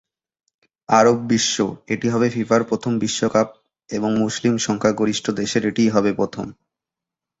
আরব বিশ্ব এটি হবে ফিফার প্রথম বিশ্বকাপ এবং মুসলিম সংখ্যাগরিষ্ঠ দেশে এটিই হবে প্রথম।